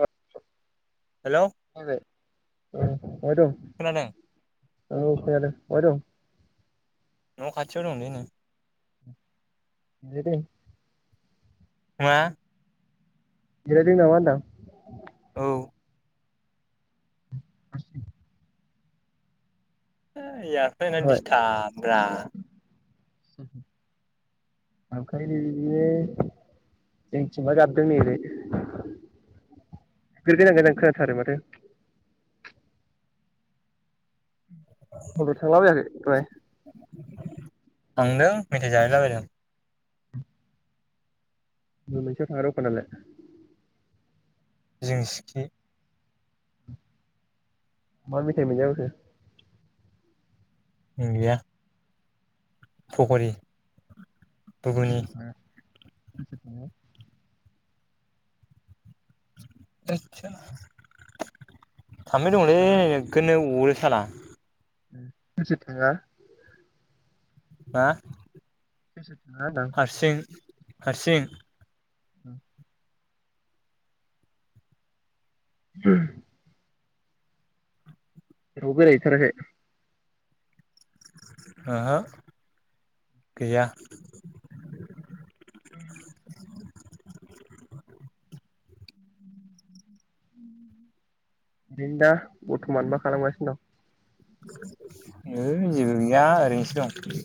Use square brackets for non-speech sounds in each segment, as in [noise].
ओ हेलौ अबे बहाय दं खोनादों औ खोनादों अबेहाय दं न' खाथियाव दंलै नों जिरायदों मा जिरायदों नामा होनदां औ [unintelligible] [unintelligible] एयार प्लेना दिस्थाबब्रा गाबखायोलै बिदिनो जोंथिंबा गाबदों नै ओरै बेफोर गोजान गोजान खोनाथारो माथो [unintelligible] थांलाबायाखै थांदों मेथाइ जाहैलाबायदों अबे मोनसेयाव थाङा दखानालाय जिंसिखि मा मेथाइ मोनजाबोखो [unintelligible] फखरि [unintelligible] आदचा थामै सोर थाङा दंलैनै नोगोरनो [unintelligible] सोर सोर थाङा हा सोर सोर थाङा होनदां हारसिं [unintelligible] [unintelligible] जेरावबो बेरायहैथाराखै ओहो गैया [unintelligible] बेनो दा बरथमान मा खालामगासिनो दं ओइ जेबो गैया ओरैनोसो दं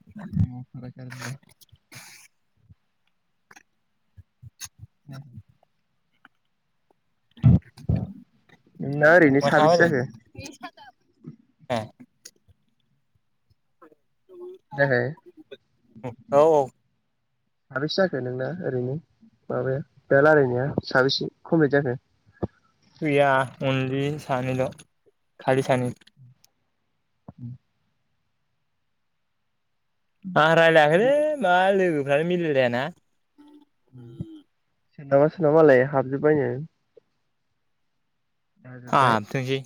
[unintelligible] [unintelligible] [unintelligible] नोंना ओरैनो बहा थाङाबा जायो साबेसे जाखो ए थाखाय औ औ साबेसे जाखो नोंना ओरैनो माबाया बे लायरायनाया साबेसे कमप्लिट जाखो गैया अनलि सानैल' खालि सानै उम आं रायलायाखैलै मा लोगो फ्रानो मिलायलायाना सोरनाबा सोरनाबा मालाय हाबजोबबायनो हाबथोंसै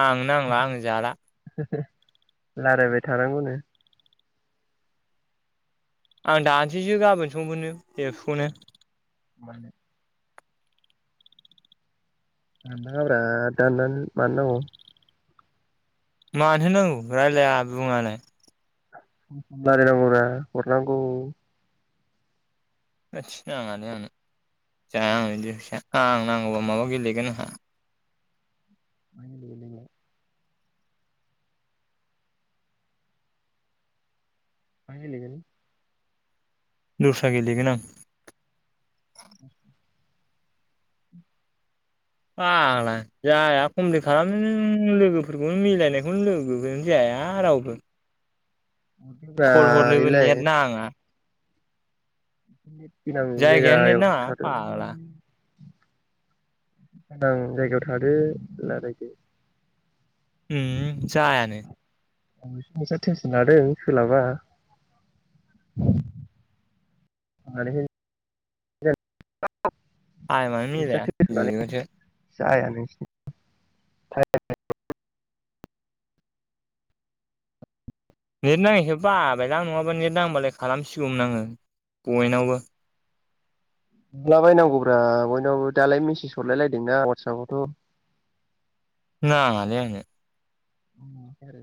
आंनो नांला आं जाला लारायबाय थानांगौनो आं दानसैसो गाबोन समफोरनो एफसखौनो [inaudible] दाननाङाब्रा दाननानो मानो नांगौ मानोथो नांगौ रायलाया बुङानो लायरायनांगौब्रा हरनांगौ थोदस नाङालै आंनो जाया आं बेनिफ्राय फैसा आं नांगौबा माबा गेलेगोन आंहा [inaudible] मा गेलेगोन दस्रा गेलेगोन आं [inaudible] फाग्ला जाया कमप्लिट खालामनोनो लोगोफोरखौनो मिलायनायखौनो लोगोफोरनो जाया रावबो हरदोब्रा खल हरनोबो इलाय नेट नाङा नेट गोनां जायगायानो नेट जायगायाव नाङा थादों। फाग्ला उदां जायगायाव थादो लारायदो। उम हम जायानो। आं एसे टेनसन लादों सोलाबा [inaudible] टाइम आनो नोंस्रा मिलाया टेनसन लानाया [unintelligible] जाया नोंसिनि [inaudible] नेट नाङैखो बाबायलां नङाबा नेट नांबालाय खालामसिगौमोन आङो बयनावबो। हरला बायनांगौब्रा बयनावबो दालाय मेसेज हरलायलायदोंना वाटसापआवथ'। नाङालै आंनो। [inaudible] आरो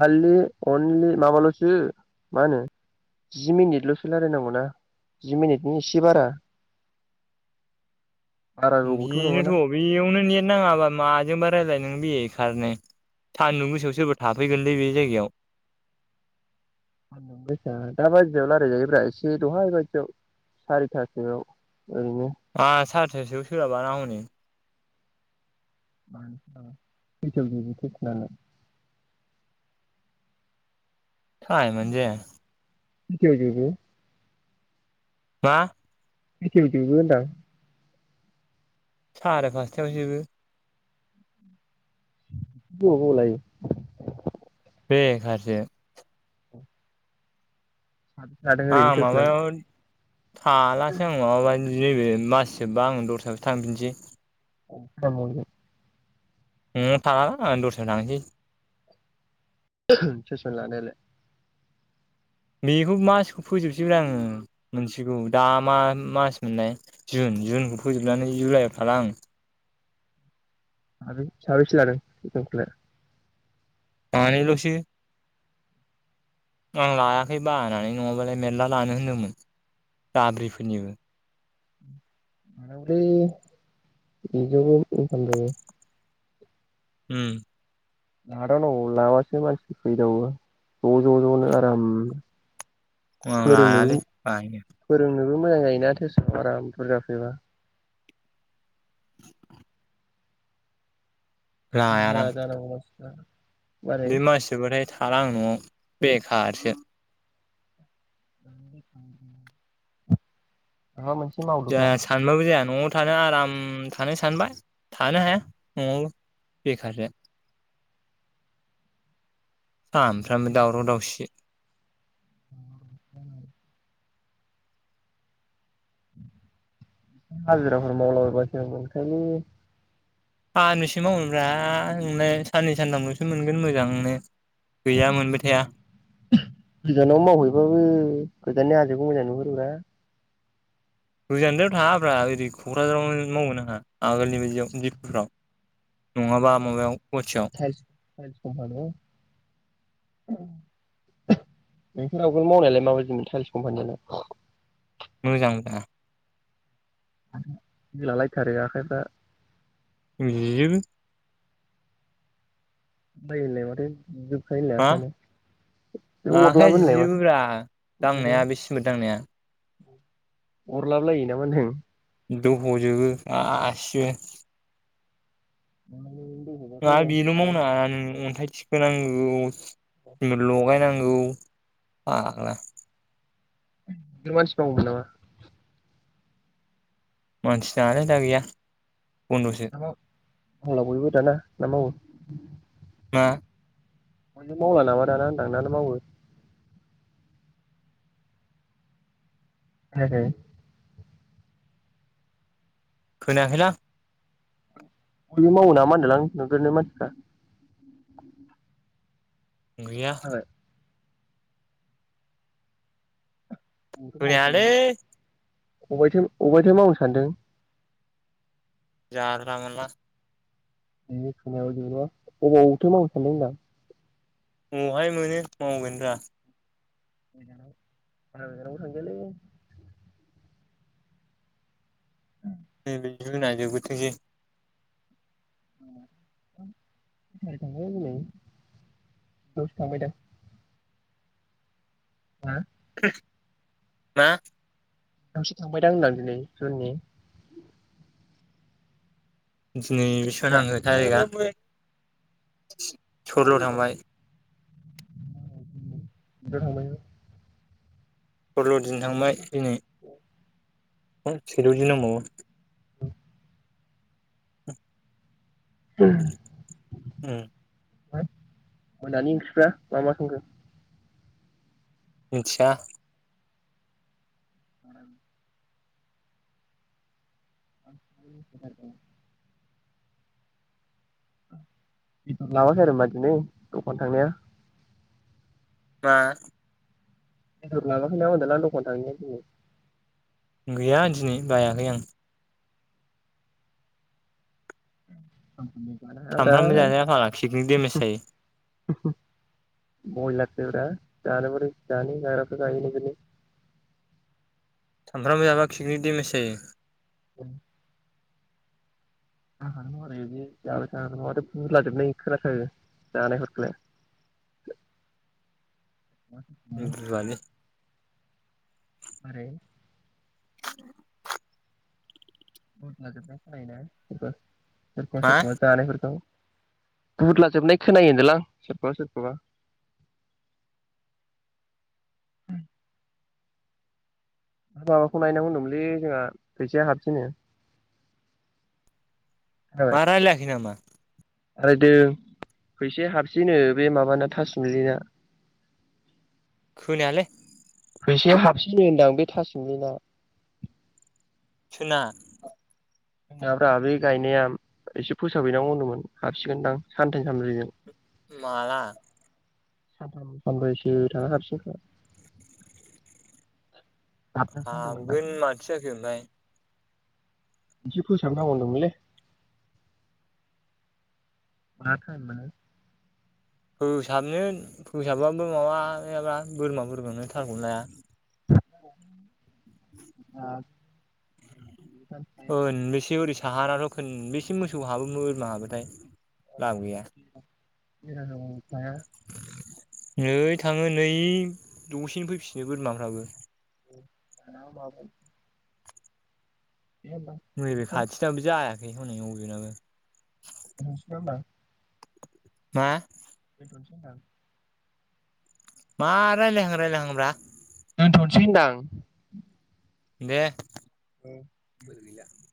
खालि अनलि माबाल'सो मा होनो जि मिनिटल'सो लायराय नांगौना जि मिनिटनि एसे बारा बारा गोबावथ' नङाना बिनोथ' बेयावनो नेट नाङाबा माजोंबा रायलायन नों बेखारनो सान्दुं गोसायाव सोरबा थाफैगोनलै बे जायगायाव। सानदुं गोसा दा बायदियाव रायलायजायोब्रा एसे दहाय बादियाव सारिथा सोआव आहा सारिथासोआव सोलाबाना हनै खैथायाव जोबो टिउस'नालाय? टाइमानो जाया। खैथायाव जोबो? मा? खैथायाव जोबो होनदां? साराय फासथायावन जोबो। [unintelligible] बेखारसो। साबैसे लादों आं ओरैनो टिउस'नालाय? माबायाव थालासो आं माबायनि नैबे मास जोबबा आं दस्रायावसो थामफिनसै [unintelligible] न'आव थाला आं‌ दस्रायाव थांसै। [unintelligible] टिउसन लानायालाय? बेखौ मासखौ फोजोबसैब्रा आङो मोनसेखौ दा मा मास मोनलनाय जुन जुनखौ फोजोबनानै जुलाइआव थाला आं। आरो साबैसे लादों टिउसन खौलाय? आनै ल'सो आं लायाखै बानानै नङाबालाय मेला लानो होनदोंमोन दाब्रिफोरनिबो। लानांगौलै। इजोंबो इंखाम जायो। उम लादावनांगौ लाबासो मानसि फैदावो ज' ज' ज'नो आराम। आं लायालै बायो। नोबो मोजां जायोना थेस आराम बुरजा फैबा। लायादां [unintelligible] [unintelligible] बे मास जोबाथाय थाला आं न'आव बेखारसो [unintelligible] माबा मोनसे मावदोब्रा जोहा सानबाबो जाया न'आव थानो आराम थानो सानबाय थानो हाया न'आव बेखारसो सामफ्रामबो दावराव दावसि [unintelligible] हाजिराफोर [unintelligible] मोनखायनो सानबैसे मावनो [unintelligible] नोंलाय साननै सानथामल'सो मोनगोन मोजांनो गैया मोनबाय थाया गोजानाव मावहैबाबो गोजाननि हाजो जोखौ मोजां नुहुरोब्रा गोजानद्रायाव थाङाब्रा ओरै क'क्राझारावनो मावगोन आंहा आगोलनि बायदियाव दिपुफ्राव नङाबा माबायाव गुवाहाटीआव टाइलस कम्पानिया नोंसोर आगोलाव मावनायालाय माबायदिमोन टाइलस कम्पानियालाय? मोजां ब्रा आ दोलालायथारो आखाइफ्रा [unintelligible] [unintelligible] हा आखायानो बे आखाइआ अरलाबो होनलाय माथो जिजोबो ब्रा दांनाया ओंखायनोथ' बे सिमिद दांनाया अरलाबलायो नामा होनदों दह'जोबो गासिबो [unintelligible] मा बेल' मावनाङा नों अन्थाइ थिखोनांगौ लगायनां गौ फाग्ला [unintelligible] मानसि नाङालै दा गैया बन्द'सो [unintelligible] बयबो दाना ना मावो मा माने मावला नामा दाना होनदां ना मावो? [unintelligible] खोनायाखैलां बयबो मावो नामा होनदोंलां नोगोरनि मानसिफ्रा गैया जाबाय खोनायालै अबाय अबायथो मावनो सानदों [unintelligible] बेनि खामायाव जेनेबा अबावथो मावनो सानदों होनदां अबावहाय मोनो मावगोनब्रा [unintelligible] [unintelligible] [unintelligible] हा मा आंसो थांबायदां होनदां दिनै जुननि दिनै बेसबां दा थांखो थारिगा सरल' थांबाय [unintelligible] [unintelligible] दिन थांबाय दिनै सिद' दिन दंबावो ओमफ्राय उम मोनानि ओंख्रिफ्रा मा मा संखो मिथिया आरो [unintelligible] बेदर लाबाखै आरो होमबा दिनै दखान थांनाया मा बेदर [unintelligible] गैया दिनै बायाखै आं [unintelligible] सामफ्रामबो जाजाया फाग्ला किकनिक दडेमेज जायो [unintelligible] सानफ्रामबो जाबा किकनिक डेमेज जायो [unintelligible] [unintelligible] बुआलै बोरै उ [unintelligible] [unintelligible] सोरखौबा मा सोरखौबा जानायफोरखौ बुदला जोबनाय खोनायो होनदोलां सोरखौबा सोरखौबा माबाखौ नायनांगौहोनदोंमोनलै जोंहा फैसाया हाबनोसै नो मा रायलायाखै नामा रायलायदों फैसाया हाबसैनो बे माबाना थासुमलिना खोनायालै फैसाया हाबसिनो होनदां बे थासोमलिना सोना जोंनाब्रा बे गायनाया एसे फोसाबहैनांगौदोंमोन हाबसिगोनदां सानथाम सानब्रैजों माला सानथाम सानब्रैसो थाना हाबसिगोन खोमा। हाबनोसै होनदोंमोन हाबगोन दाख्लै माथोजाखो ओमफाय इसे फोसाब नांगौ होनदोंमोनलै। [unintelligible] फोसाबनो फोसाबबाबो माबायाब्ला बोरमा बोरमानो थालखौनो लाया। खोनबेसे ओरै [unintelligible] साहानाथ' खनबसे मोसौ हाबो बोरमा हाबोथाय लाब गैया। [unintelligible] नै थाङो नै दसेनो फैफिनो बोरमाफ्राबो [unintelligible] नैबे खाथिनाबो जाया। [unintelligible] [unintelligible] मा? [inaudible] मा रायलहां रायलायाहां ब्रा? दोनथ'नोसै होनदां। दे। [unintelligible]